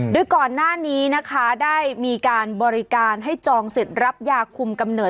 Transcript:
โดยก่อนหน้านี้นะคะได้มีการบริการให้จองเสร็จรับยาคุมกำเนิด